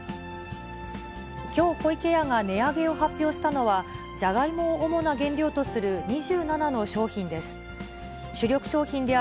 きょう、湖池屋が値上げを発表したのは、じゃがいもを主な原料とする２７の商品です。